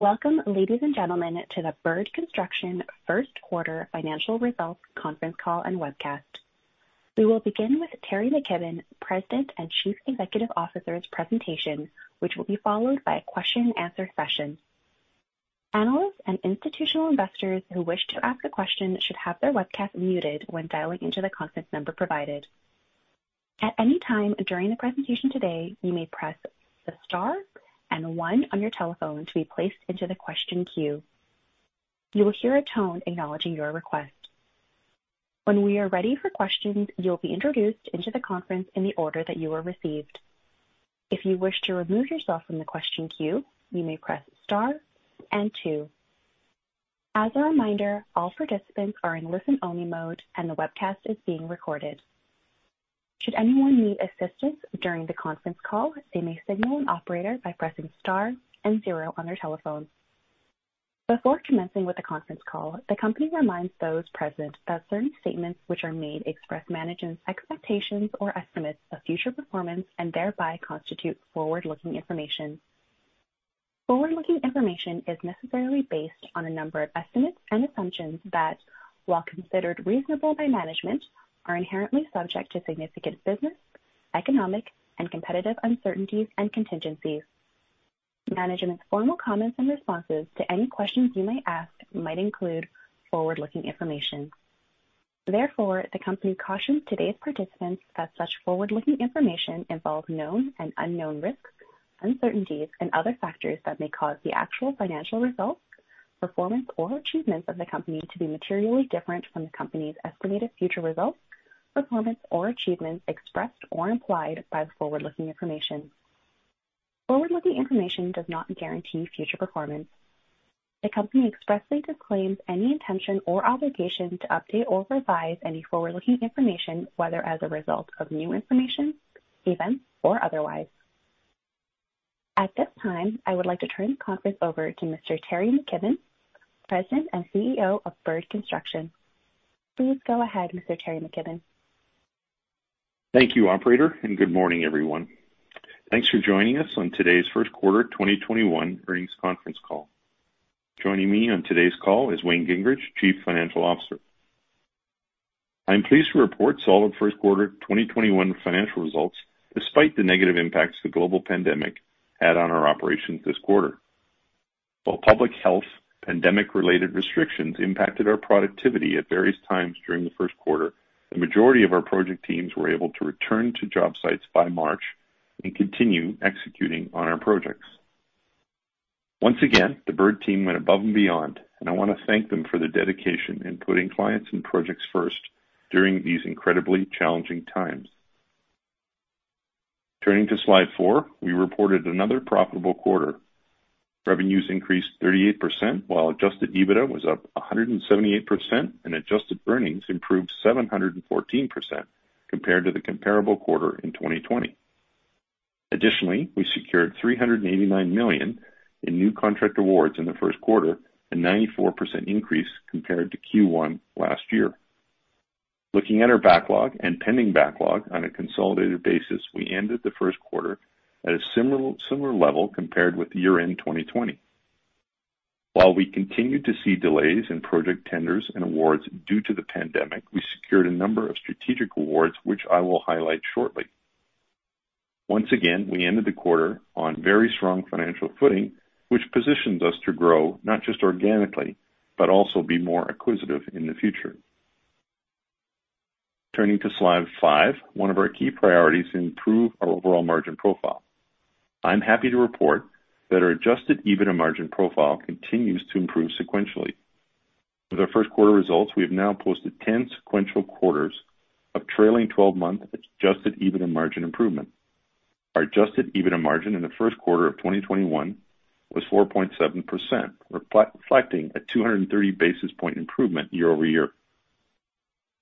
Welcome, ladies and gentlemen, to the Bird Construction first quarter financial results conference call and webcast. We will begin with Teri McKibbon, President and Chief Executive Officer's presentation, which will be followed by a question and answer session. Analysts and institutional investors who wish to ask a question should have their webcast muted when dialing into the conference number provided. At any time during the presentation today, you may press the star and one on your telephone to be placed into the question queue. You will hear a tone acknowledging your request. When we are ready for questions, you'll be introduced into the conference in the order that you were received. If you wish to remove yourself from the question queue, you may press star and two. As a reminder, all participants are in listen-only mode, and the webcast is being recorded. Should anyone need assistance during the conference call, they may signal an operator by pressing star and zero on their telephone. Before commencing with the conference call, the company reminds those present that certain statements which are made express management's expectations or estimates of future performance and thereby constitute forward-looking information. Forward-looking information is necessarily based on a number of estimates and assumptions that, while considered reasonable by management, are inherently subject to significant business, economic, and competitive uncertainties and contingencies. Management's formal comments and responses to any questions you may ask might include forward-looking information. Therefore, the company cautions today's participants that such forward-looking information involves known and unknown risks, uncertainties, and other factors that may cause the actual financial results, performance, or achievements of the company to be materially different from the company's estimated future results, performance, or achievements expressed or implied by the forward-looking information. Forward-looking information does not guarantee future performance. The company expressly disclaims any intention or obligation to update or revise any forward-looking information, whether as a result of new information, events, or otherwise. At this time, I would like to turn the conference over to Mr. Teri McKibbon, President and CEO of Bird Construction. Please go ahead, Mr. Teri McKibbon. Thank you, operator, and good morning, everyone. Thanks for joining us on today's first quarter 2021 earnings conference call. Joining me on today's call is Wayne Gingrich, Chief Financial Officer. I am pleased to report solid first quarter 2021 financial results, despite the negative impacts the global pandemic had on our operations this quarter. While public health pandemic-related restrictions impacted our productivity at various times during the first quarter, the majority of our project teams were able to return to job sites by March and continue executing on our projects. Once again, the Bird team went above and beyond, and I want to thank them for their dedication in putting clients and projects first during these incredibly challenging times. Turning to slide four, we reported another profitable quarter. Revenues increased 38%, while adjusted EBITDA was up 178% and adjusted earnings improved 714% compared to the comparable quarter in 2020. Additionally, we secured 389 million in new contract awards in the first quarter, a 94% increase compared to Q1 last year. Looking at our backlog and pending backlog on a consolidated basis, we ended the first quarter at a similar level compared with year-end 2020. While we continued to see delays in project tenders and awards due to the pandemic, we secured a number of strategic awards, which I will highlight shortly. Once again, we ended the quarter on very strong financial footing, which positions us to grow not just organically, but also be more acquisitive in the future. Turning to slide five, one of our key priorities, improve our overall margin profile. I'm happy to report that our adjusted EBITDA margin profile continues to improve sequentially. With our first quarter results, we have now posted 10 sequential quarters of trailing 12-month adjusted EBITDA margin improvement. Our adjusted EBITDA margin in the first quarter of 2021 was 4.7%, reflecting a 230 basis point improvement year-over-year.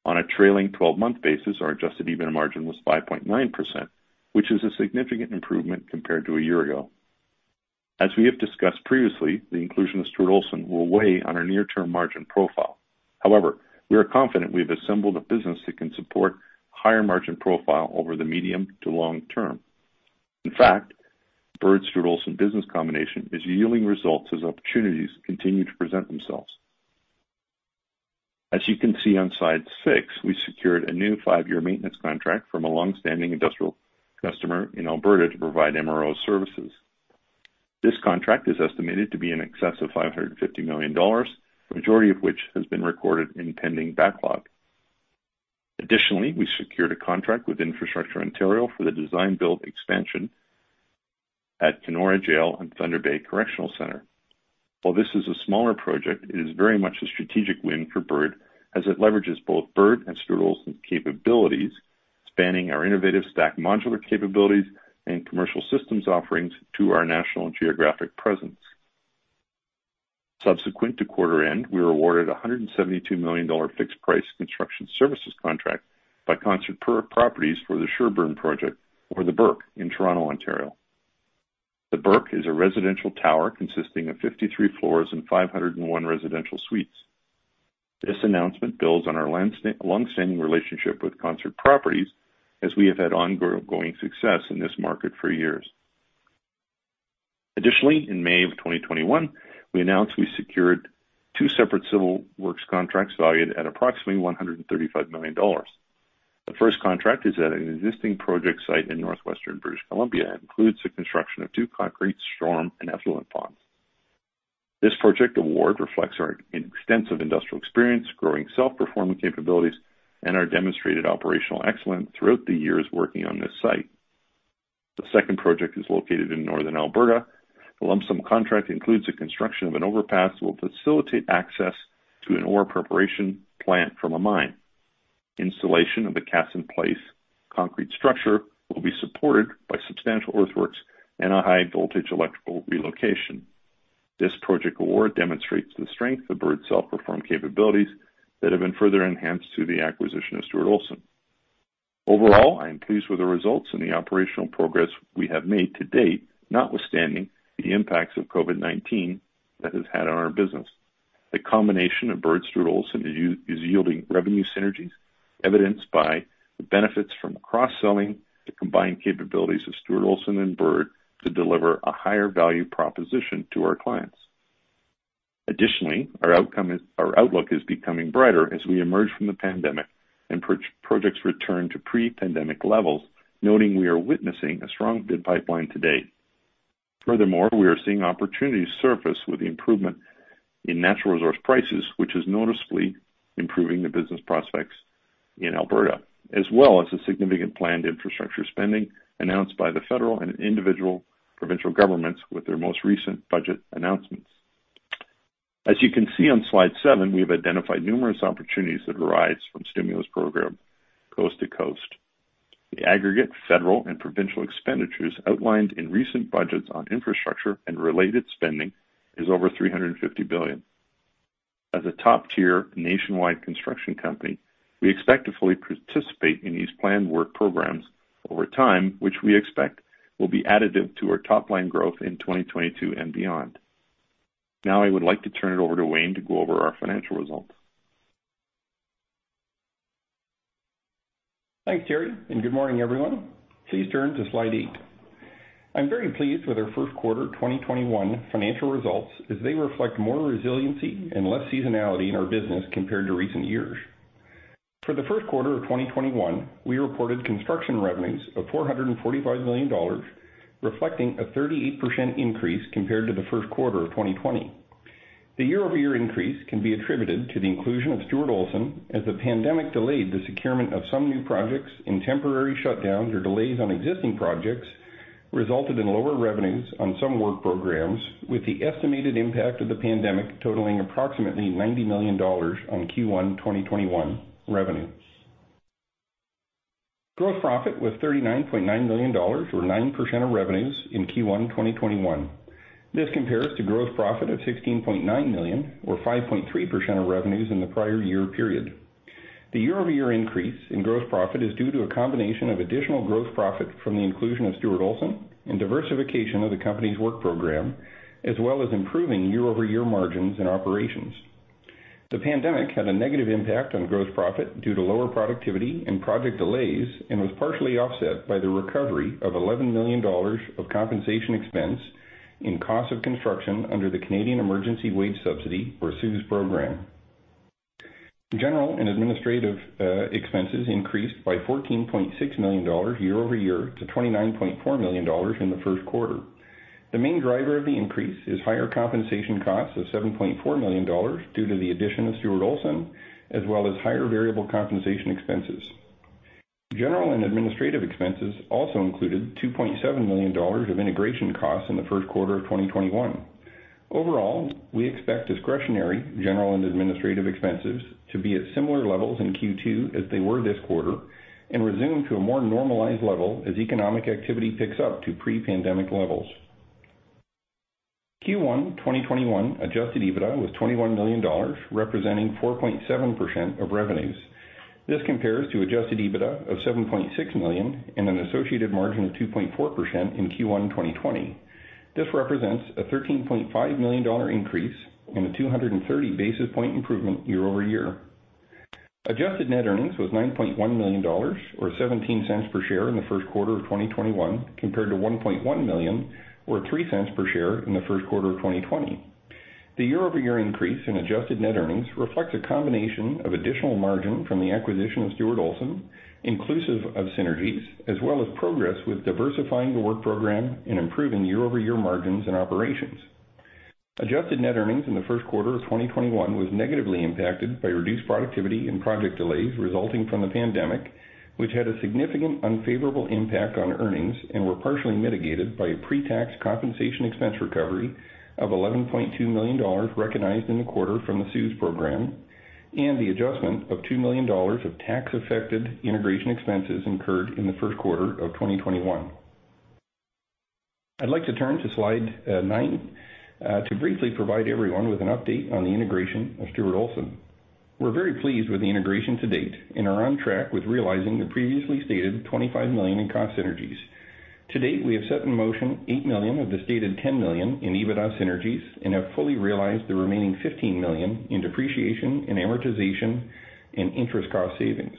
On a trailing 12-month basis, our adjusted EBITDA margin was 5.9%, which is a significant improvement compared to a year ago. As we have discussed previously, the inclusion of Stuart Olson will weigh on our near-term margin profile. However, we are confident we've assembled a business that can support higher margin profile over the medium to long term. In fact, Bird-Stuart Olson business combination is yielding results as opportunities continue to present themselves. As you can see on slide six, we secured a new five-year maintenance contract from a long-standing industrial customer in Alberta to provide MRO services. This contract is estimated to be in excess of 550 million dollars, the majority of which has been recorded in pending backlog. Additionally, we secured a contract with Infrastructure Ontario for the design build expansion at Kenora Jail and Thunder Bay Correctional Center. While this is a smaller project, it is very much a strategic win for Bird as it leverages both Bird and Stuart Olson capabilities, spanning our innovative Stack Modular capabilities and commercial systems offerings to our national and geographic presence. Subsequent to quarter end, we were awarded a 172 million dollar fixed price construction services contract by Concert Properties for the Sherbourne Project or The Burke in Toronto, Ontario. The Burke is a residential tower consisting of 53 floors and 501 residential suites. This announcement builds on our longstanding relationship with Concert Properties, as we have had ongoing success in this market for years. Additionally, in May of 2021, we announced we secured two separate civil works contracts valued at approximately 135 million dollars. The first contract is at an existing project site in northwestern British Columbia and includes the construction of two concrete storm and effluent ponds. This project award reflects our extensive industrial experience, growing self-performing capabilities, and our demonstrated operational excellence throughout the years working on this site. The second project is located in northern Alberta. The lump sum contract includes the construction of an overpass that will facilitate access to an ore preparation plant from a mine. Installation of the cast-in-place concrete structure will be supported by substantial earthworks and a high-voltage electrical relocation. This project award demonstrates the strength of Bird's self-perform capabilities that have been further enhanced through the acquisition of Stuart Olson. Overall, I am pleased with the results and the operational progress we have made to date, notwithstanding the impacts of COVID-19 that has had on our business. The combination of Bird-Stuart Olson is yielding revenue synergies, evidenced by the benefits from cross-selling the combined capabilities of Stuart Olson and Bird to deliver a higher value proposition to our clients. Additionally, our outlook is becoming brighter as we emerge from the pandemic and projects return to pre-pandemic levels, noting we are witnessing a strong bid pipeline to date. Furthermore, we are seeing opportunities surface with the improvement in natural resource prices, which is noticeably improving the business prospects in Alberta, as well as the significant planned infrastructure spending announced by the federal and individual provincial governments with their most recent budget announcements. As you can see on slide seven, we have identified numerous opportunities that arise from stimulus program coast to coast. The aggregate federal and provincial expenditures outlined in recent budgets on infrastructure and related spending is over 350 billion. As a top-tier nationwide construction company, we expect to fully participate in these planned work programs over time, which we expect will be additive to our top-line growth in 2022 and beyond. Now I would like to turn it over to Wayne to go over our financial results. Thanks, Teri, and good morning, everyone. Please turn to slide eight. I'm very pleased with our first quarter 2021 financial results as they reflect more resiliency and less seasonality in our business compared to recent years. For the first quarter of 2021, we reported construction revenues of 445 million dollars, reflecting a 38% increase compared to the first quarter of 2020. The year-over-year increase can be attributed to the inclusion of Stuart Olson, as the pandemic delayed the securement of some new projects and temporary shutdowns or delays on existing projects resulted in lower revenues on some work programs, with the estimated impact of the pandemic totaling approximately 90 million dollars on Q1 2021 revenues. Gross profit was 39.9 million dollars, or 9% of revenues, in Q1 2021. This compares to gross profit of 16.9 million, or 5.3% of revenues, in the prior year period. The year-over-year increase in gross profit is due to a combination of additional gross profit from the inclusion of Stuart Olson and diversification of the company's work program, as well as improving year-over-year margins and operations. The pandemic had a negative impact on gross profit due to lower productivity and project delays and was partially offset by the recovery of 11 million dollars of compensation expense in cost of construction under the Canada Emergency Wage Subsidy, or CEWS program. General and administrative expenses increased by 14.6 million dollars year-over-year to 29.4 million dollars in the first quarter. The main driver of the increase is higher compensation costs of 7.4 million dollars due to the addition of Stuart Olson, as well as higher variable compensation expenses. General and administrative expenses also included 2.7 million dollars of integration costs in the first quarter of 2021. Overall, we expect discretionary general and administrative expenses to be at similar levels in Q2 as they were this quarter and resume to a more normalized level as economic activity picks up to pre-pandemic levels. Q1 2021 adjusted EBITDA was 21 million dollars, representing 4.7% of revenues. This compares to adjusted EBITDA of 7.6 million and an associated margin of 2.4% in Q1 2020. This represents a 13.5 million dollar increase and a 230 basis point improvement year-over-year. Adjusted net earnings was 9.1 million dollars, or 0.17 per share in the first quarter of 2021, compared to 1.1 million, or 0.03 per share in the first quarter of 2020. The year-over-year increase in adjusted net earnings reflects a combination of additional margin from the acquisition of Stuart Olson, inclusive of synergies, as well as progress with diversifying the work program and improving year-over-year margins and operations. Adjusted net earnings in the first quarter of 2021 was negatively impacted by reduced productivity and project delays resulting from the pandemic, which had a significant unfavorable impact on earnings and were partially mitigated by a pre-tax compensation expense recovery of 11.2 million dollars recognized in the quarter from the CEWS program and the adjustment of 2 million dollars of tax-affected integration expenses incurred in the first quarter of 2021. I'd like to turn to slide nine to briefly provide everyone with an update on the integration of Stuart Olson. We're very pleased with the integration to date and are on track with realizing the previously stated 25 million in cost synergies. To date, we have set in motion 8 million of the stated 10 million in EBITDA synergies and have fully realized the remaining 15 million in depreciation and amortization and interest cost savings.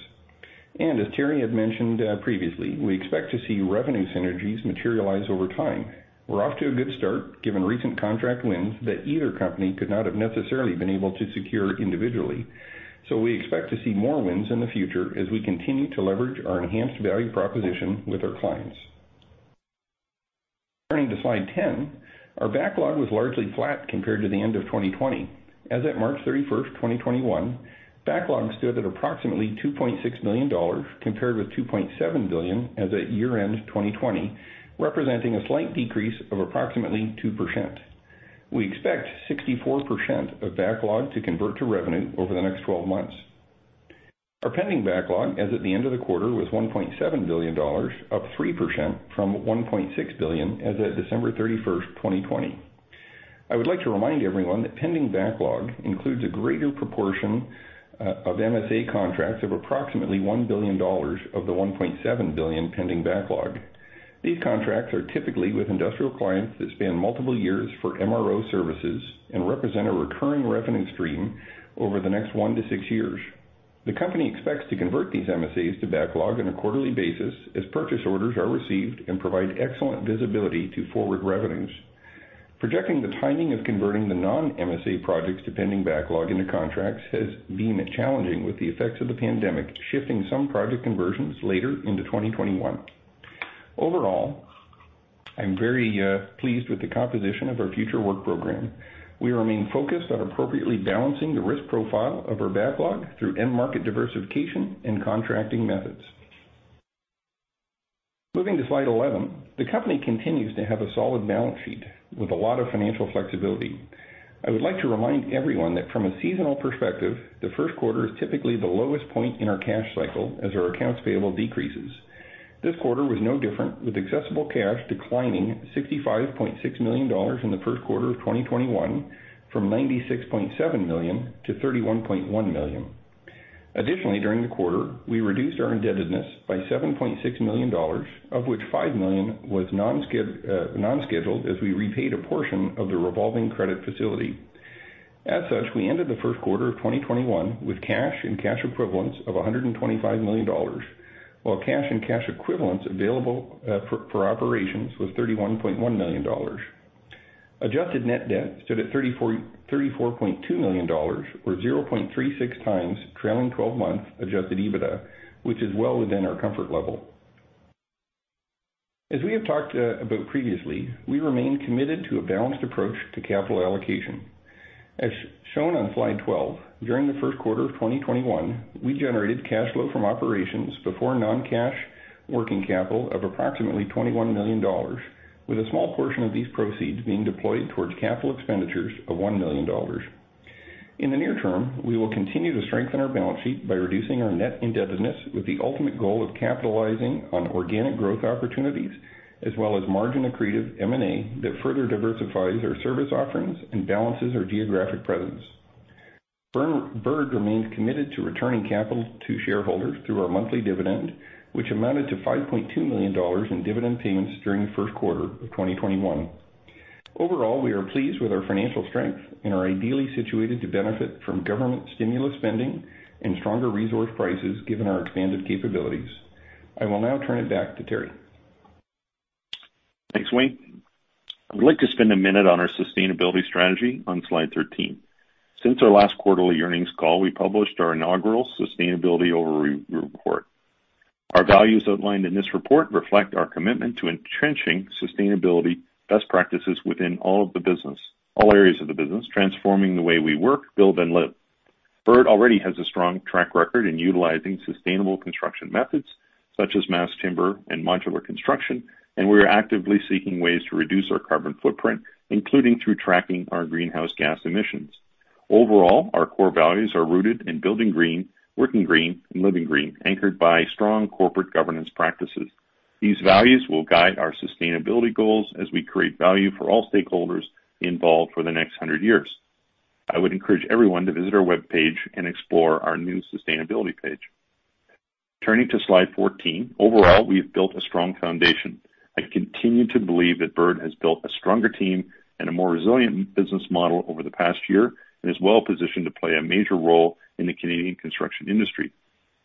As Teri had mentioned previously, we expect to see revenue synergies materialize over time. We're off to a good start given recent contract wins that either company could not have necessarily been able to secure individually. We expect to see more wins in the future as we continue to leverage our enhanced value proposition with our clients. Turning to slide 10, our backlog was largely flat compared to the end of 2020. As at March 31st, 2021, backlog stood at approximately 2.6 billion dollars, compared with 2.7 billion as at year-end 2020, representing a slight decrease of approximately 2%. We expect 64% of backlog to convert to revenue over the next 12 months. Our pending backlog as at the end of the quarter was 1.7 billion dollars, up 3% from 1.6 billion as at December 31st, 2020. I would like to remind everyone that pending backlog includes a greater proportion of MSA contracts of approximately 1 billion dollars of the 1.7 billion pending backlog. These contracts are typically with industrial clients that span multiple years for MRO services and represent a recurring revenue stream over the next 1 to 6 years. The company expects to convert these MSAs to backlog on a quarterly basis as purchase orders are received and provide excellent visibility to forward revenues. Projecting the timing of converting the non-MSA projects to pending backlog into contracts has been challenging with the effects of the pandemic, shifting some project conversions later into 2021. Overall, I'm very pleased with the composition of our future work program. We remain focused on appropriately balancing the risk profile of our backlog through end market diversification and contracting methods. Moving to slide 11, the company continues to have a solid balance sheet with a lot of financial flexibility. I would like to remind everyone that from a seasonal perspective, the first quarter is typically the lowest point in our cash cycle as our accounts payable decreases. This quarter was no different, with accessible cash declining 65.6 million dollars in the first quarter of 2021 from 96.7 million to 31.1 million. Additionally, during the quarter, we reduced our indebtedness by 7.6 million dollars, of which 5 million was non-scheduled, as we repaid a portion of the revolving credit facility. As such, we ended the first quarter of 2021 with cash and cash equivalents of 125 million dollars, while cash and cash equivalents available for operations was 31.1 million dollars. Adjusted net debt stood at 34.2 million dollars, or 0.36 times trailing 12-month adjusted EBITDA, which is well within our comfort level. As we have talked about previously, we remain committed to a balanced approach to capital allocation. As shown on slide 12, during the first quarter of 2021, we generated cash flow from operations before non-cash working capital of approximately 21 million dollars with a small portion of these proceeds being deployed towards capital expenditures of 1 million dollars. In the near term, we will continue to strengthen our balance sheet by reducing our net indebtedness with the ultimate goal of capitalizing on organic growth opportunities, as well as margin-accretive M&A that further diversifies our service offerings and balances our geographic presence. Bird remains committed to returning capital to shareholders through our monthly dividend, which amounted to 5.2 million dollars in dividend payments during the first quarter of 2021. Overall, we are pleased with our financial strength and are ideally situated to benefit from government stimulus spending and stronger resource prices given our expanded capabilities. I will now turn it back to Teri. Thanks, Wayne. I would like to spend a minute on our sustainability strategy on slide 13. Since our last quarterly earnings call, we published our inaugural sustainability overview report. Our values outlined in this report reflect our commitment to entrenching sustainability best practices within all areas of the business, transforming the way we work, build, and live. Bird already has a strong track record in utilizing sustainable construction methods such as mass timber and modular construction, and we are actively seeking ways to reduce our carbon footprint, including through tracking our greenhouse gas emissions. Overall, our core values are rooted in building green, working green, and living green, anchored by strong corporate governance practices. These values will guide our sustainability goals as we create value for all stakeholders involved for the next 100 years. I would encourage everyone to visit our webpage and explore our new sustainability page. Turning to slide 14, overall, we have built a strong foundation. I continue to believe that Bird has built a stronger team and a more resilient business model over the past year and is well positioned to play a major role in the Canadian construction industry.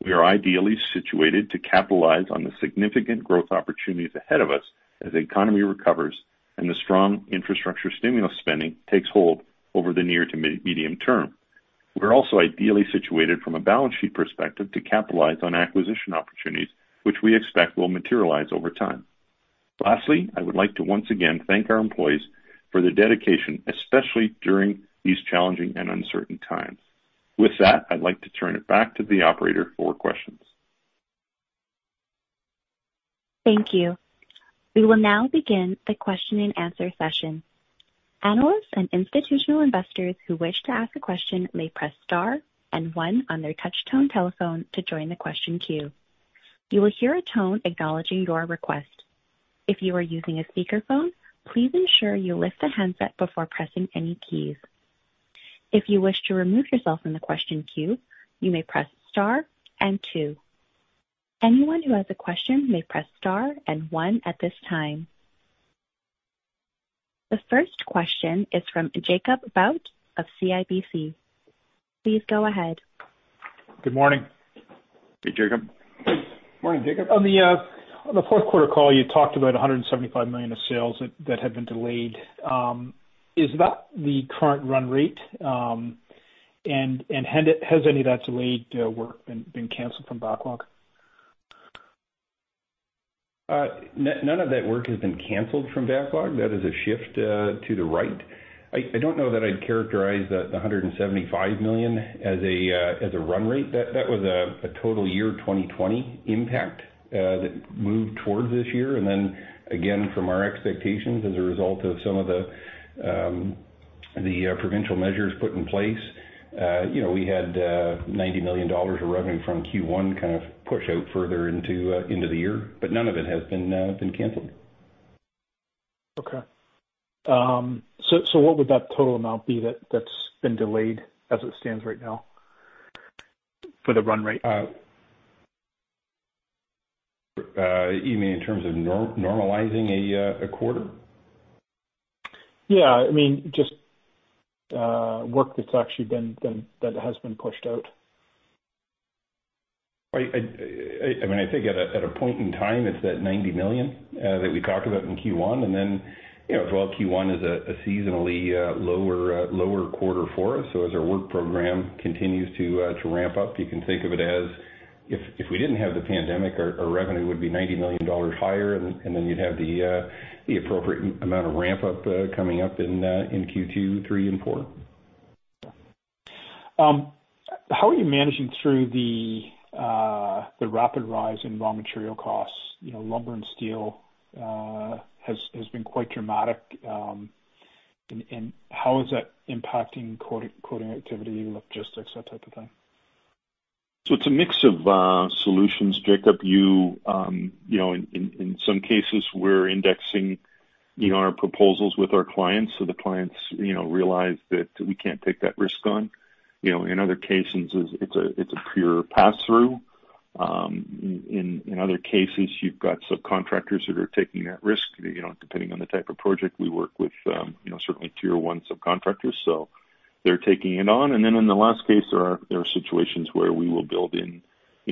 We are ideally situated to capitalize on the significant growth opportunities ahead of us as the economy recovers and the strong infrastructure stimulus spending takes hold over the near to medium term. We're also ideally situated from a balance sheet perspective to capitalize on acquisition opportunities, which we expect will materialize over time. Lastly, I would like to once again thank our employees for their dedication, especially during these challenging and uncertain times. With that, I'd like to turn it back to the operator for questions. Thank you. We will now begin the question and answer session. The first question is from Jacob Bout of CIBC. Please go ahead. Good morning. Hey, Jacob. Morning, Jacob. On the fourth quarter call, you talked about 175 million of sales that had been delayed. Is that the current run rate? Has any of that delayed work been canceled from backlog? None of that work has been canceled from backlog. That is a shift to the right. I don't know that I'd characterize the 175 million as a run rate. That was a total year 2020 impact that moved towards this year. Then again, from our expectations as a result of some of the provincial measures put in place, we had 90 million dollars of revenue from Q1 kind of push out further into the year, but none of it has been canceled. Okay. What would that total amount be that's been delayed as it stands right now for the run rate? You mean in terms of normalizing a quarter? Yeah. I mean, just work that has been pushed out. I think at a point in time, it's that 90 million that we talked about in Q1. As well, Q1 is a seasonally lower quarter for us. As our work program continues to ramp up, you can think of it as if we didn't have the pandemic, our revenue would be 90 million dollars higher, you'd have the appropriate amount of ramp-up coming up in Q2, Q3, and Q4. How are you managing through the rapid rise in raw material costs? Lumber and steel has been quite dramatic. How is that impacting quoting activity, logistics, that type of thing? It's a mix of solutions, Jacob. In some cases, we're indexing our proposals with our clients so the clients realize that we can't take that risk on. In other cases, it's a pure pass-through. In other cases, you've got subcontractors that are taking that risk, depending on the type of project we work with, certainly tier 1 subcontractors. They're taking it on. In the last case, there are situations where we will build in,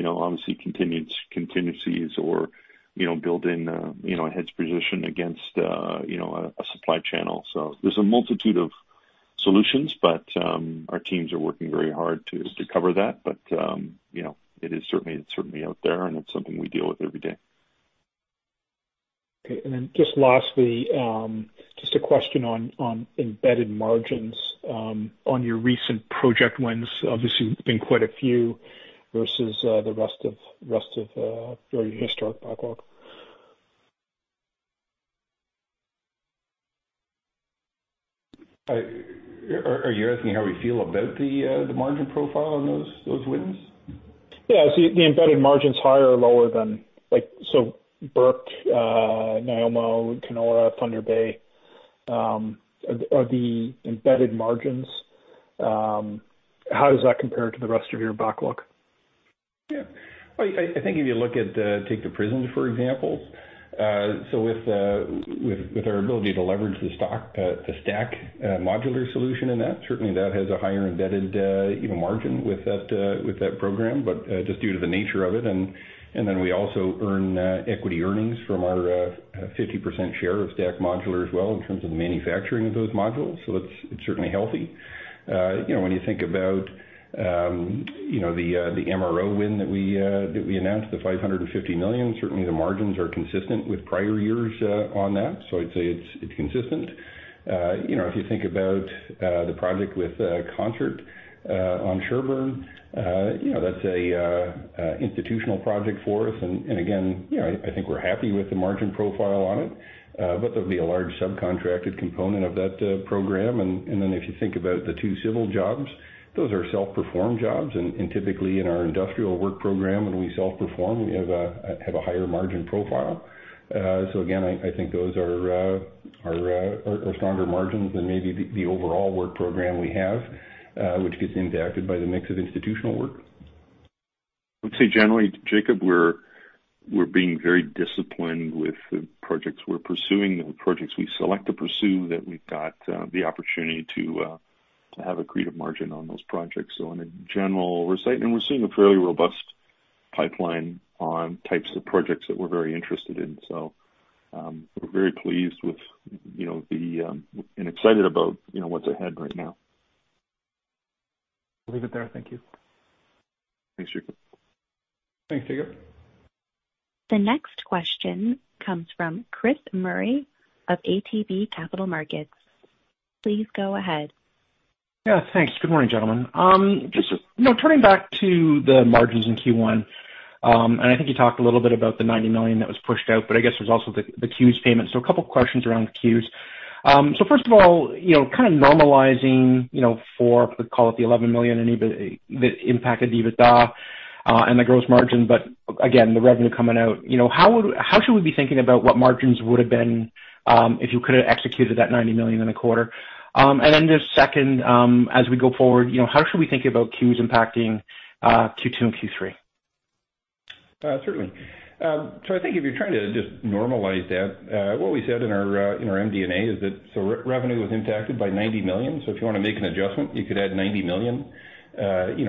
obviously, contingencies or build in a hedge position against a supply channel. There's a multitude of solutions, but our teams are working very hard to cover that. It is certainly out there, and it's something we deal with every day. Okay. Just lastly, just a question on embedded margins on your recent project wins. Obviously, there's been quite a few versus the rest of your historic backlog. Are you asking how we feel about the margin profile on those wins? Yeah. The embedded margins higher or lower than, so Burke, Nanaimo, Kenora, Thunder Bay, are the embedded margins, how does that compare to the rest of your backlog? Yeah. I think if you take the prisons, for example. With our ability to leverage the STACK Modular solution in that, certainly that has a higher embedded margin with that program, but just due to the nature of it. Then we also earn equity earnings from our 50% share of STACK Modular as well in terms of manufacturing of those modules. It's certainly healthy. When you think about the MRO win that we announced, the 550 million, certainly the margins are consistent with prior years on that. I'd say it's consistent. If you think about the project with Concert on Sherbourne, that's an institutional project for us. Again, I think we're happy with the margin profile on it. There'll be a large subcontracted component of that program. Then if you think about the two civil jobs, those are self-performed jobs. Typically, in our industrial work program, when we self-perform, we have a higher margin profile. Again, I think those are stronger margins than maybe the overall work program we have, which gets impacted by the mix of institutional work. I'd say generally, Jacob, we're being very disciplined with the projects we're pursuing, the projects we select to pursue that we've got the opportunity to have accretive margin on those projects. In general, and we're seeing a fairly robust pipeline on types of projects that we're very interested in. We're very pleased with and excited about what's ahead right now. I'll leave it there. Thank you. Thanks, Jacob. Thanks, Jacob. The next question comes from Chris Murray of ATB Capital Markets. Please go ahead. Thanks. Good morning, gentlemen. Just turning back to the margins in Q1, and I think you talked a little bit about the 90 million that was pushed out, but I guess there's also the CEWS payment. A couple of questions around the CEWS. First of all, kind of normalizing for, call it the 11 million that impacted EBITDA and the gross margin, but again, the revenue coming out. How should we be thinking about what margins would have been if you could have executed that 90 million in a quarter? Then just second, as we go forward, how should we think about CEWS impacting Q2 and Q3? Certainly. I think if you're trying to just normalize that, what we said in our MD&A is that, revenue was impacted by 90 million. If you want to make an adjustment, you could add 90 million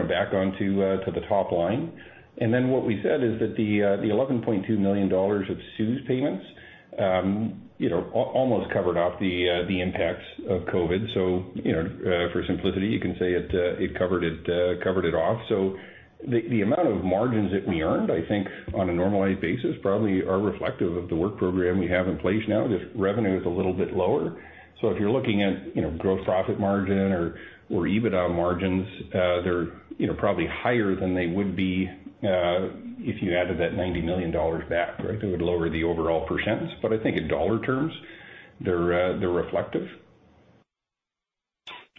back onto the top line. What we said is that the 11.2 million dollars of CEWS payments almost covered up the impacts of COVID. For simplicity, you can say it covered it off. The amount of margins that we earned, I think on a normalized basis, probably are reflective of the work program we have in place now, just revenue is a little bit lower. If you're looking at gross profit margin or EBITDA margins, they're probably higher than they would be if you added that 90 million dollars back. It would lower the overall percentage, but I think in dollar terms, they're reflective.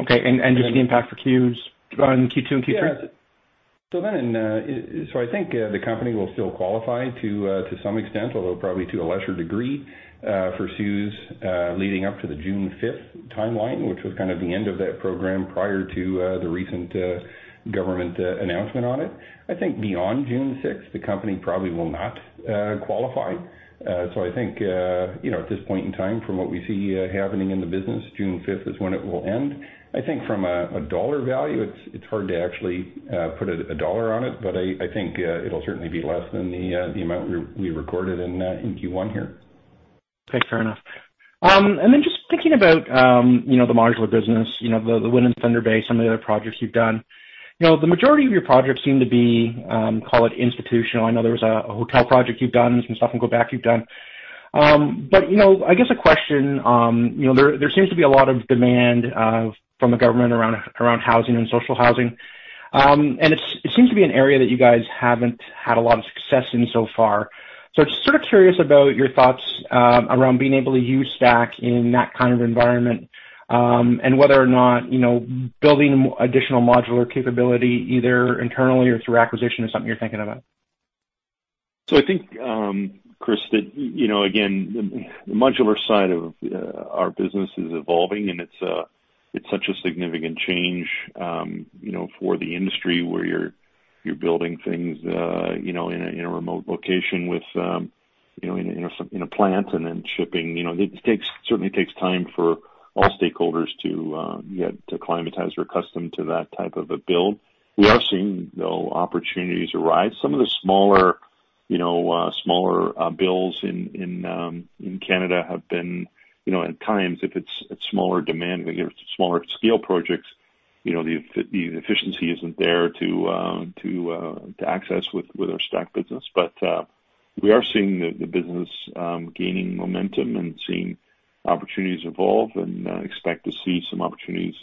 Okay, just the impact for CEWS on Q2 and Q3? Yeah. I think the company will still qualify to some extent, although probably to a lesser degree for CEWS leading up to the June 5th timeline, which was kind of the end of that program prior to the recent government announcement on it. I think beyond June 6th, the company probably will not qualify. I think, at this point in time, from what we see happening in the business, June 5th is when it will end. I think from a dollar value, it's hard to actually put a dollar on it, but I think it'll certainly be less than the amount we recorded in Q1 here. Okay. Fair enough. Just thinking about the modular business, the Nyomo and Thunder Bay, some of the other projects you've done. The majority of your projects seem to be, call it institutional. I know there was a hotel project you've done, some stuff in Quebec you've done. I guess a question, there seems to be a lot of demand from the government around housing and social housing. It seems to be an area that you guys haven't had a lot of success in so far. Just sort of curious about your thoughts around being able to use STACK in that kind of environment, and whether or not building additional modular capability, either internally or through acquisition, is something you're thinking about. I think, Chris, that again, the modular side of our business is evolving, and it's such a significant change for the industry where you're building things in a remote location in a plant and then shipping. It certainly takes time for all stakeholders to acclimatize or accustom to that type of a build. We are seeing, though, opportunities arise. Some of the smaller builds in Canada have been, at times, if it's smaller demand, smaller scale projects, the efficiency isn't there to access with our Stack business. We are seeing the business gaining momentum and seeing opportunities evolve, and expect to see some opportunities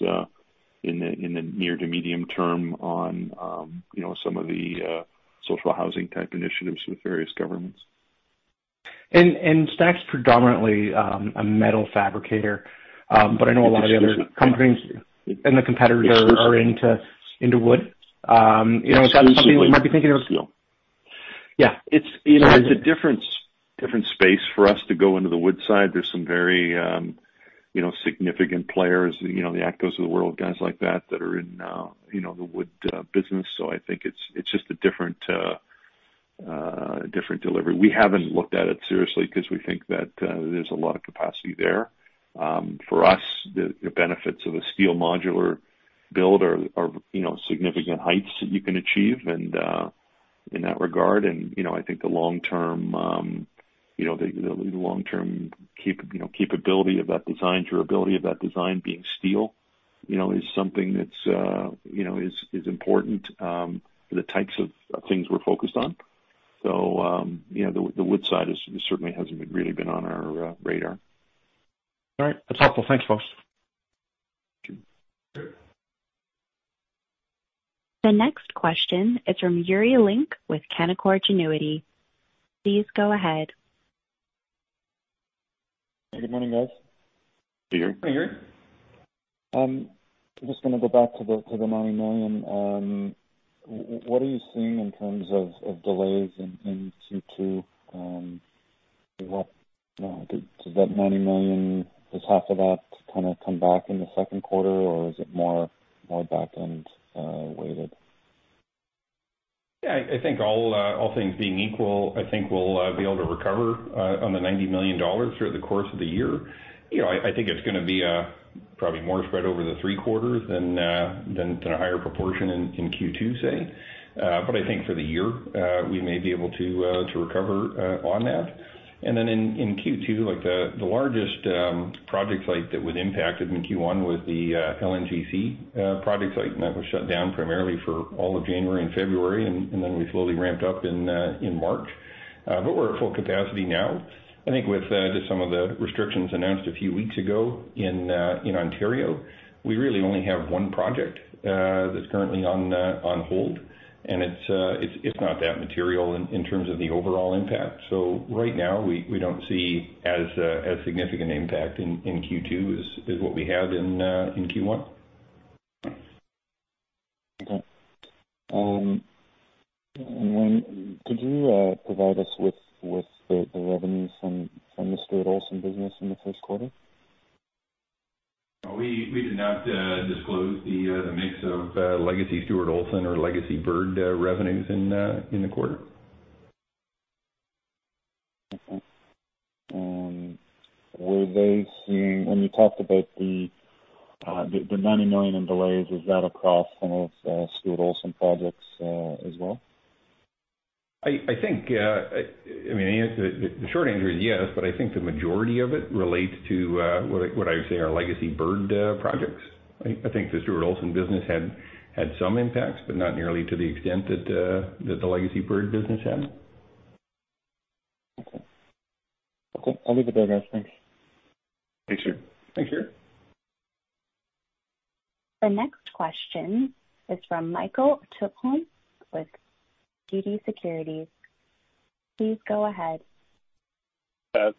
in the near to medium term on some of the social housing type initiatives with various governments. Stack's predominantly a metal fabricator, but I know a lot of the other companies and the competitors are into wood. Is that something you might be thinking of? Exclusively steel. Yeah. It's a different space for us to go into the wood side. There's some very significant players, the ATCO of the world, guys like that are in the wood business. I think it's just a different delivery. We haven't looked at it seriously because we think that there's a lot of capacity there. For us, the benefits of a steel modular build are significant heights that you can achieve and in that regard, and I think the long-term capability of that design, durability of that design being steel, is something that is important for the types of things we're focused on. The wood side certainly hasn't really been on our radar. All right. That's helpful. Thanks, folks. Sure. Sure. The next question is from Yuri Lynk with Canaccord Genuity. Please go ahead. Good morning, guys. Hey, Yuri. Hey, Yuri. I'm just going to go back to the 90 million. What are you seeing in terms of delays in Q2? Does that 90 million, does half of that kind of come back in the second quarter, or is it more back-end weighted? I think all things being equal, I think we'll be able to recover on the 90 million dollars through the course of the year. I think it's going to be probably more spread over the three quarters than a higher proportion in Q2, say. I think for the year, we may be able to recover on that. In Q2, the largest project site that was impacted in Q1 was the LNGC project site, and that was shut down primarily for all of January and February, and then we slowly ramped up in March. We're at full capacity now. I think with just some of the restrictions announced a few weeks ago in Ontario, we really only have one project that's currently on hold, and it's not that material in terms of the overall impact. Right now, we don't see as significant impact in Q2 as what we have in Q1. Okay. Could you provide us with the revenues from the Stuart Olson business in the first quarter? We did not disclose the mix of legacy Stuart Olson or legacy Bird revenues in the quarter. Okay. Were they seeing, when you talked about the 90 million in delays, is that across some of Stuart Olson projects as well? I think, the short answer is yes, but I think the majority of it relates to what I would say are legacy Bird projects. I think the Stuart Olson business had some impacts, but not nearly to the extent that the legacy Bird business had. Okay. I'll leave it there, guys. Thanks. Thanks, Yuri. Thanks, Yuri. The next question is from Michael Tupholme with TD Securities. Please go ahead.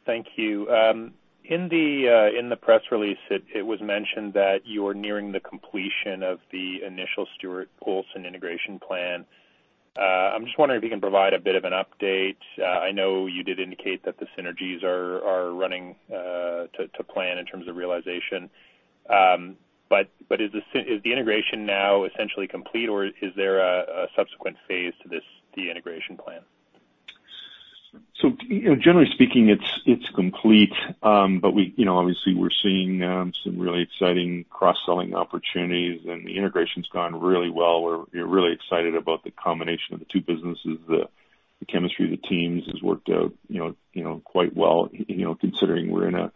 Thank you. In the press release, it was mentioned that you're nearing the completion of the initial Stuart Olson integration plan. I'm just wondering if you can provide a bit of an update. I know you did indicate that the synergies are running to plan in terms of realization. Is the integration now essentially complete or is there a subsequent phase to the integration plan? Generally speaking, it's complete. Obviously we're seeing some really exciting cross-selling opportunities and the integration's gone really well. We're really excited about the combination of the two businesses. The chemistry of the teams has worked out quite well, considering we're in a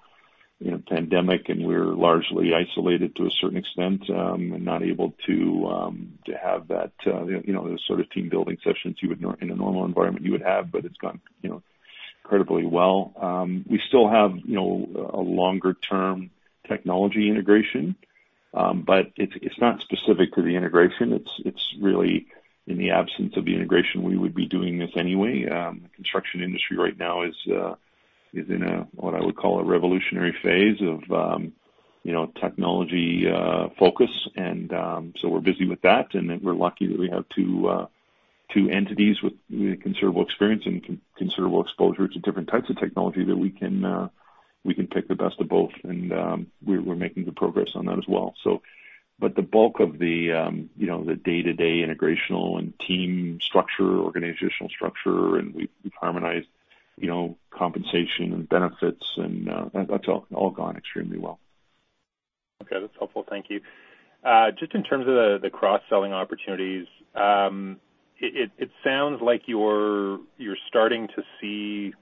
pandemic and we're largely isolated to a certain extent, and not able to have that sort of team building sessions you would in a normal environment you would have, but it's gone incredibly well. We still have a longer term technology integration. It's not specific to the integration. It's really in the absence of the integration, we would be doing this anyway. The construction industry right now is in a, what I would call a revolutionary phase of technology focus. We're busy with that, and then we're lucky that we have two entities with considerable experience and considerable exposure to different types of technology that we can pick the best of both. We're making good progress on that as well. The bulk of the day-to-day integrational and team structure, organizational structure, and we've harmonized compensation and benefits and that's all gone extremely well. Okay. That's helpful. Thank you. Just in terms of the cross-selling opportunities, it sounds like you're starting to see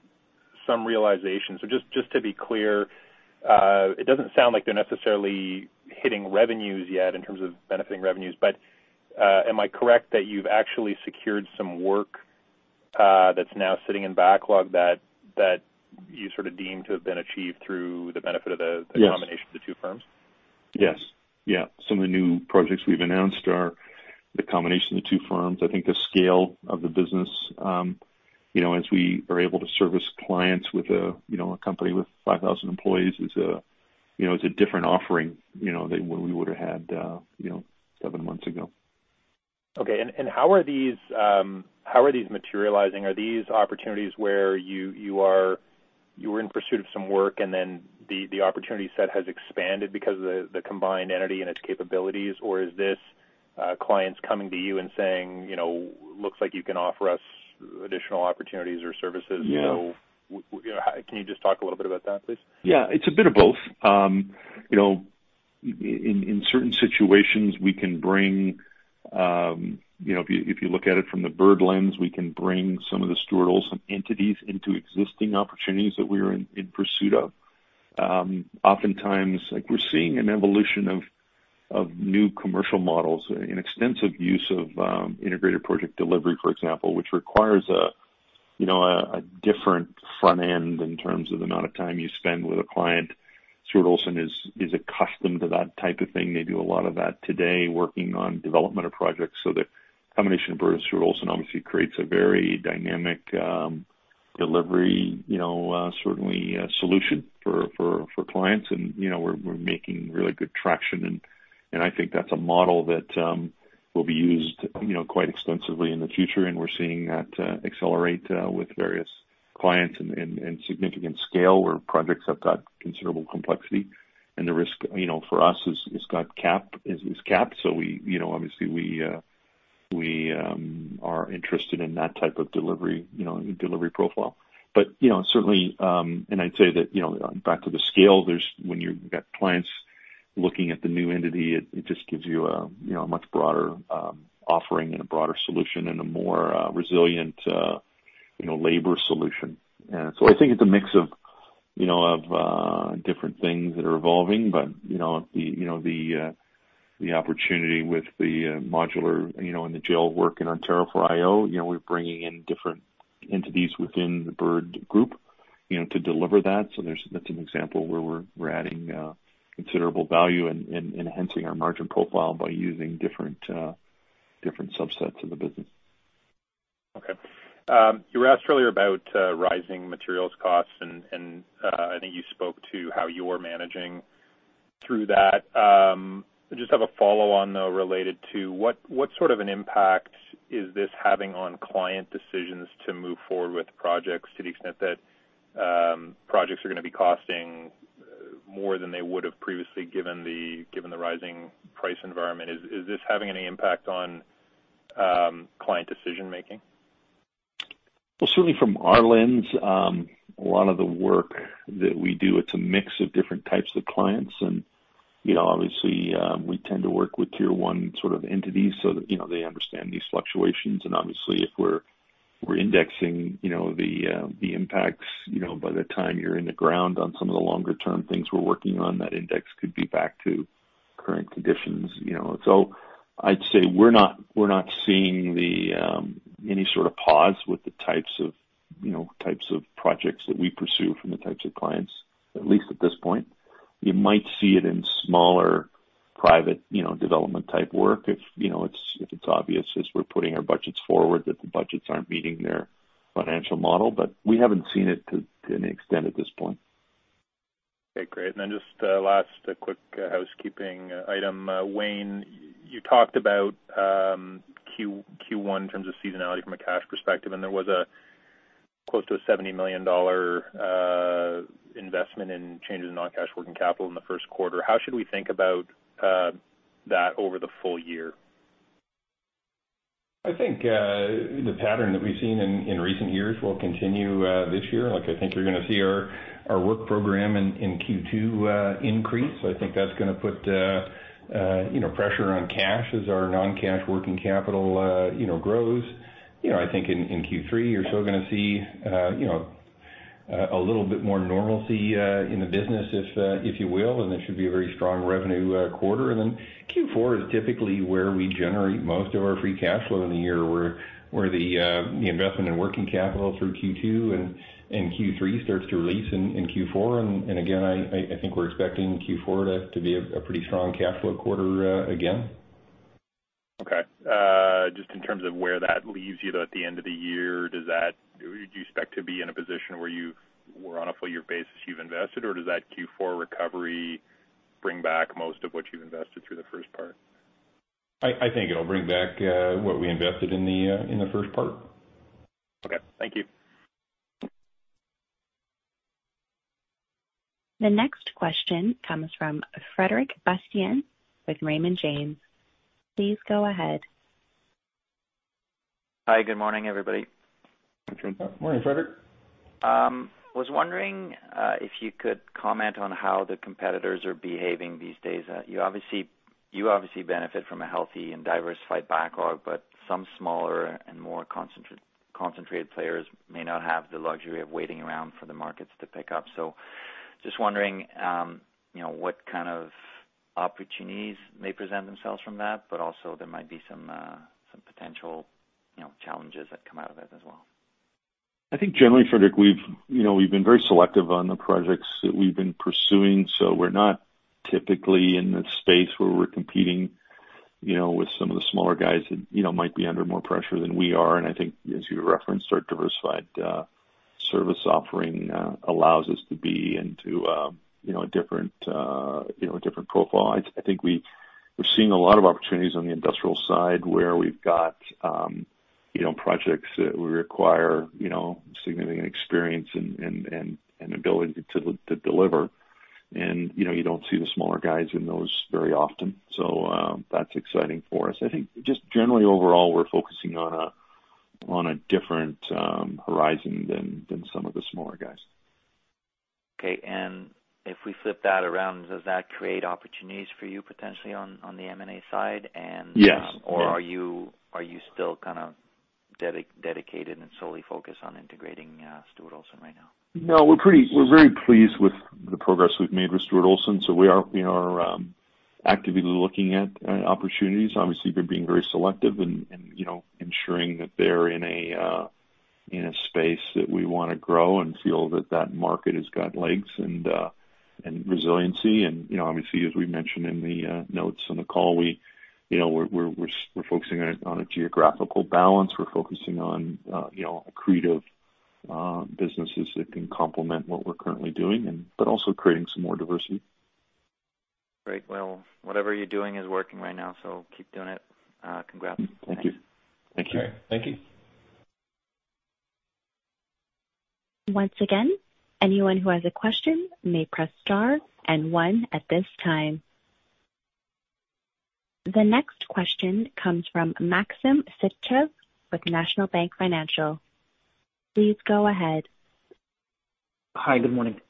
some realization. Just to be clear, it doesn't sound like they're necessarily hitting revenues yet in terms of benefiting revenues, but am I correct that you've actually secured some work that's now sitting in backlog that you sort of deemed to have been achieved through the benefit of the? Yes combination of the two firms? Yes. Some of the new projects we've announced are the combination of the two firms. I think the scale of the business, as we are able to service clients with a company with 5,000 employees is a different offering than what we would've had seven months ago. Okay. How are these materializing? Are these opportunities where you were in pursuit of some work and then the opportunity set has expanded because of the combined entity and its capabilities? Or is this clients coming to you and saying, "Looks like you can offer us additional opportunities or services. Yeah. Can you just talk a little bit about that, please? Yeah, it's a bit of both. In certain situations we can bring If you look at it from the Bird lens, we can bring some of the Stuart Olson entities into existing opportunities that we are in pursuit of. Oftentimes, we're seeing an evolution of new commercial models, an extensive use of integrated project delivery, for example, which requires a different front end in terms of the amount of time you spend with a client. Stuart Olson is accustomed to that type of thing. They do a lot of that today working on development of projects so the combination of Bird and Stuart Olson obviously creates a very dynamic delivery, certainly a solution for clients and we're making really good traction and I think that's a model that will be used quite extensively in the future. We're seeing that accelerate with various clients and significant scale where projects have got considerable complexity and the risk, for us, is capped. Certainly, and I'd say that back to the scale, when you've got clients looking at the new entity, it just gives you a much broader offering and a broader solution and a more resilient labor solution. I think it's a mix of different things that are evolving. The opportunity with the modular and the jail work in Ontario for IO, we're bringing in different entities within the Bird Group to deliver that. That's an example where we're adding considerable value and enhancing our margin profile by using different subsets of the business. Okay. You were asked earlier about rising materials costs, and I think you spoke to how you're managing through that. I just have a follow-on, though, related to what sort of an impact is this having on client decisions to move forward with projects to the extent that projects are going to be costing more than they would have previously, given the rising price environment. Is this having any impact on client decision-making? Certainly from our lens, a lot of the work that we do, it's a mix of different types of clients and obviously, we tend to work with tier 1 sort of entities so that they understand these fluctuations. Obviously if we're indexing the impacts by the time you're in the ground on some of the longer-term things we're working on, that index could be back to current conditions. I'd say we're not seeing any sort of pause with the types of projects that we pursue from the types of clients, at least at this point. You might see it in smaller private development type work if it's obvious as we're putting our budgets forward that the budgets aren't meeting their financial model. We haven't seen it to any extent at this point. Okay, great. Just last quick housekeeping item. Wayne, you talked about Q1 in terms of seasonality from a cash perspective. There was a close to a 70 million dollar investment in changes in non-cash working capital in the first quarter. How should we think about that over the full year? I think the pattern that we've seen in recent years will continue this year. I think you're going to see our work program in Q2 increase. I think that's going to put pressure on cash as our non-cash working capital grows. I think in Q3, you're still going to see a little bit more normalcy in the business, if you will, and it should be a very strong revenue quarter. Q4 is typically where we generate most of our free cash flow in the year, where the investment in working capital through Q2 and Q3 starts to release in Q4. Again, I think we're expecting Q4 to be a pretty strong cash flow quarter again. Just in terms of where that leaves you at the end of the year, do you expect to be in a position where on a full year basis you've invested, or does that Q4 recovery bring back most of what you've invested through the first part? I think it'll bring back what we invested in the first part. Okay. Thank you. The next question comes from Frederic Bastien with Raymond James. Please go ahead. Hi. Good morning, everybody. Good morning, Frederic. was wondering if you could comment on how the competitors are behaving these days? You obviously benefit from a healthy and diversified backlog, but some smaller and more concentrated players may not have the luxury of waiting around for the markets to pick up. Just wondering what kind of opportunities may present themselves from that, but also there might be some potential challenges that come out of it as well. I think generally, Frederic, we've been very selective on the projects that we've been pursuing. We're not typically in the space where we're competing with some of the smaller guys that might be under more pressure than we are. I think, as you referenced, our diversified service offering allows us to be into a different profile. I think we're seeing a lot of opportunities on the industrial side where we've got projects that will require significant experience and ability to deliver. You don't see the smaller guys in those very often. That's exciting for us. I think just generally overall, we're focusing on a different horizon than some of the smaller guys. Okay. If we flip that around, does that create opportunities for you potentially on the M&A side? Yes Are you still kind of dedicated and solely focused on integrating Stuart Olson right now? We're very pleased with the progress we've made with Stuart Olson. We are actively looking at opportunities. Obviously, we're being very selective and ensuring that they're in a space that we want to grow and feel that that market has got legs and resiliency. Obviously, as we mentioned in the notes on the call, we're focusing on a geographical balance. We're focusing on accretive businesses that can complement what we're currently doing, but also creating some more diversity. Great. Whatever you're doing is working right now. Keep doing it. Congrats. Thank you. Thank you. Once again, anyone who has a question may press star and one at this time. The next question comes from Maxim Sytchev with National Bank Financial. Please go ahead. Hi. Good morning.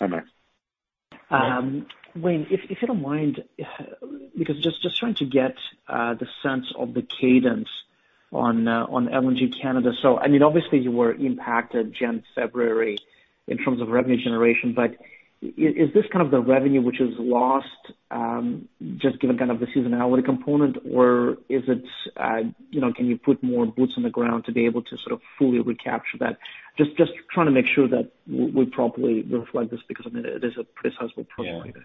Hi, Maxim. Wayne, if you don't mind, because just trying to get the sense of the cadence on LNG Canada. I mean, obviously you were impacted January, February in terms of revenue generation, but is this kind of the revenue which is lost just given kind of the seasonality component, or can you put more boots on the ground to be able to sort of fully recapture that? Just trying to make sure that we properly reflect this because, I mean, it is a sizable program like this.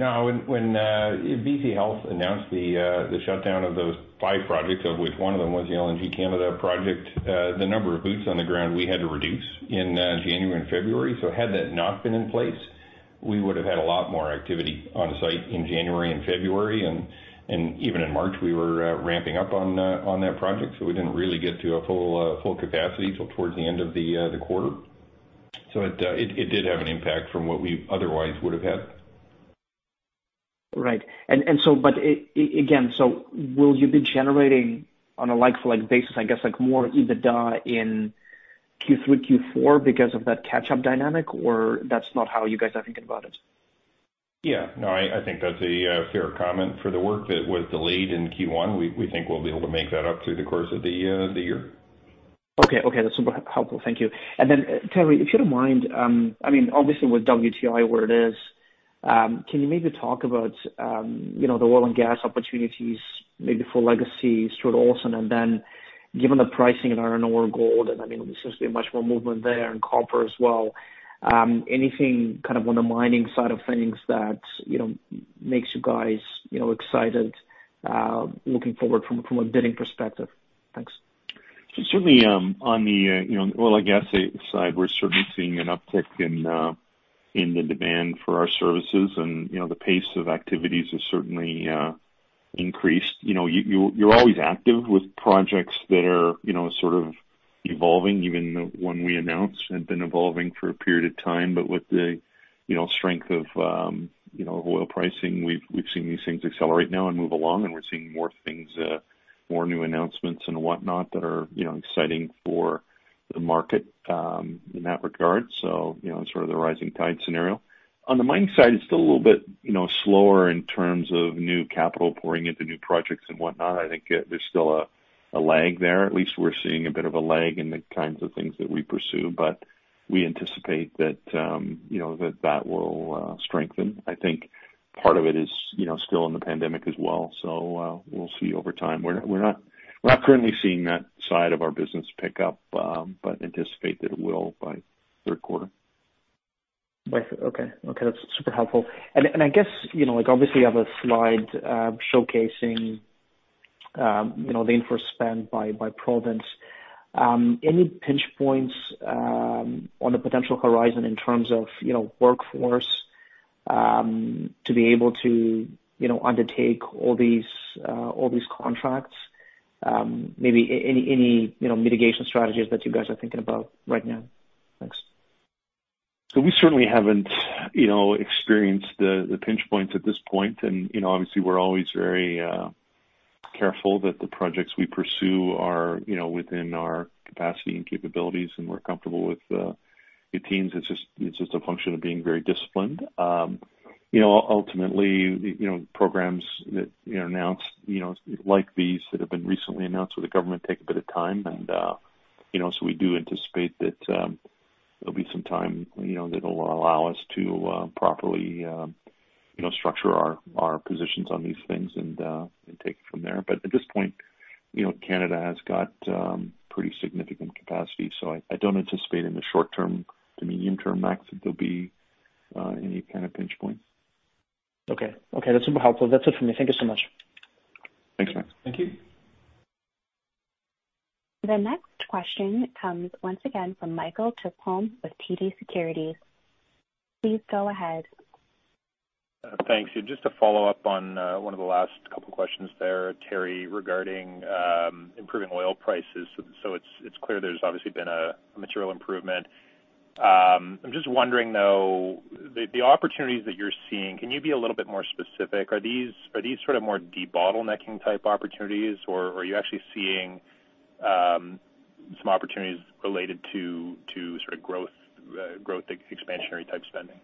No. When BC Health announced the shutdown of those five projects, of which one of them was the LNG Canada project, the number of boots on the ground we had to reduce in January and February. Had that not been in place, we would have had a lot more activity on site in January and February, and even in March, we were ramping up on that project. We didn't really get to a full capacity till towards the end of the quarter. It did have an impact from what we otherwise would have had. Right. Again, will you be generating on a like-for-like basis, I guess, more EBITDA in Q3, Q4 because of that catch-up dynamic, or that's not how you guys are thinking about it? Yeah. No, I think that's a fair comment. For the work that was delayed in Q1, we think we'll be able to make that up through the course of the year. Okay. That's super helpful. Thank you. Teri, if you don't mind, obviously with WTI where it is, can you maybe talk about the oil and gas opportunities maybe for Legacy, Stuart Olson, and then given the pricing in iron ore gold, and there seems to be much more movement there in copper as well, anything on the mining side of things that makes you guys excited looking forward from a bidding perspective? Thanks. Certainly on the oil and gas side, we're certainly seeing an uptick in the demand for our services and the pace of activities has certainly increased. You're always active with projects that are sort of evolving. Even the one we announced had been evolving for a period of time. With the strength of oil pricing, we've seen these things accelerate now and move along, and we're seeing more new announcements and whatnot that are exciting for the market in that regard. Sort of the rising tide scenario. On the mining side, it's still a little bit slower in terms of new capital pouring into new projects and whatnot. I think there's still a lag there. At least we're seeing a bit of a lag in the kinds of things that we pursue, but we anticipate that will strengthen. I think part of it is still in the pandemic as well. We'll see over time. We're not currently seeing that side of our business pick up, but anticipate that it will by third quarter. By third. Okay. That's super helpful. I guess, obviously you have a slide showcasing the infra spend by province. Any pinch points on the potential horizon in terms of workforce to be able to undertake all these contracts? Maybe any mitigation strategies that you guys are thinking about right now? Thanks. We certainly haven't experienced the pinch points at this point. Obviously we're always very careful that the projects we pursue are within our capacity and capabilities, and we're comfortable with the teams. It's just a function of being very disciplined. Ultimately, programs that announce like these that have been recently announced with the government take a bit of time. We do anticipate that there'll be some time that'll allow us to properly structure our positions on these things and take it from there. At this point, Canada has got pretty significant capacity. I don't anticipate in the short term to medium term, Max, that there'll be any kind of pinch point. Okay. That's super helpful. That's it for me. Thank you so much. Thanks, Max. Thank you. The next question comes once again from Michael Tupholme with TD Securities. Please go ahead. Thanks. Just to follow up on one of the last couple questions there, Teri, regarding improving oil prices. It's clear there's obviously been a material improvement. I'm just wondering, though, the opportunities that you're seeing, can you be a little bit more specific? Are these sort of more debottlenecking type opportunities, or are you actually seeing some opportunities related to sort of growth, expansionary type spending?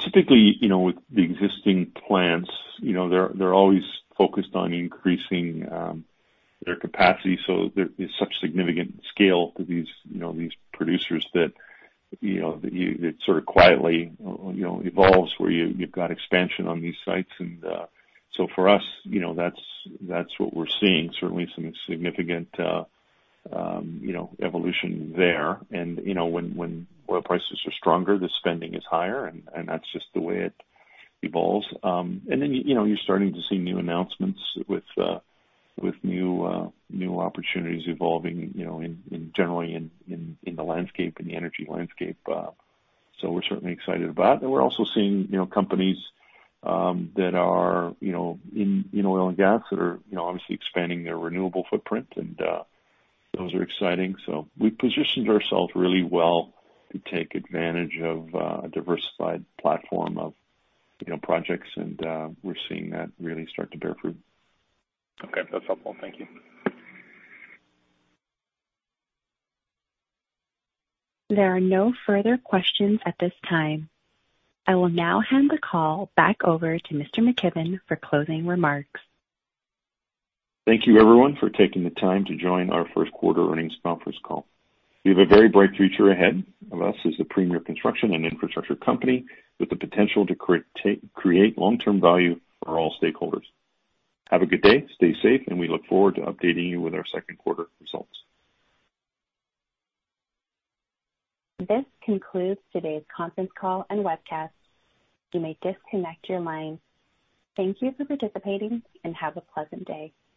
Typically with the existing plants, they're always focused on increasing their capacity. There is such significant scale to these producers that it sort of quietly evolves where you've got expansion on these sites. For us, that's what we're seeing. Certainly some significant evolution there. When oil prices are stronger, the spending is higher, and that's just the way it evolves. You're starting to see new announcements with new opportunities evolving generally in the energy landscape. We're certainly excited about it. We're also seeing companies that are in oil and gas that are obviously expanding their renewable footprint, and those are exciting. We positioned ourselves really well to take advantage of a diversified platform of projects, and we're seeing that really start to bear fruit. Okay. That's helpful. Thank you. There are no further questions at this time. I will now hand the call back over to Mr. McKibbon for closing remarks. Thank you everyone for taking the time to join our first quarter earnings conference call. We have a very bright future ahead of us as a premier construction and infrastructure company with the potential to create long-term value for all stakeholders. Have a good day, stay safe, and we look forward to updating you with our second quarter results. This concludes today's conference call and webcast. You may disconnect your line. Thank you for participating, and have a pleasant day.